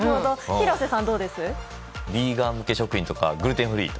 ビーガン向け食品とかグルテンフリー。